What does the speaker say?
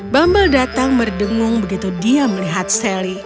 bumble datang merdengung begitu dia melihat sally